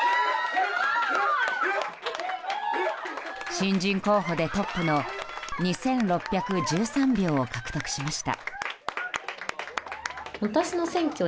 新人候補でトップの２６１３票を獲得しました。